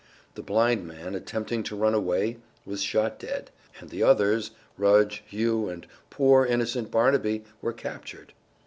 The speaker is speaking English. The blind man, attempting to run away, was shot dead, and the others, Rudge, Hugh and poor, innocent Barnaby, were captured.